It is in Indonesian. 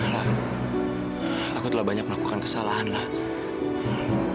lara aku telah banyak melakukan kesalahan lara